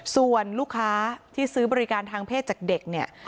ส่วนลูกค้าที่ซื้อบริการทางเพศจากเด็กเนี่ย